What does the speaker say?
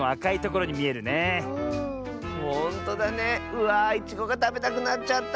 うわいちごがたべたくなっちゃった！